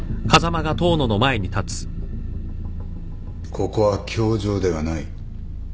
ここは教場ではない。